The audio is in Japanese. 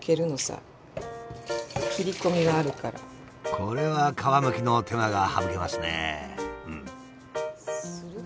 これは皮むきの手間が省けますね！